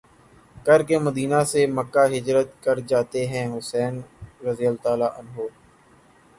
کرکے مدینہ سے مکہ ہجرت کر جاتے ہیں حسین رض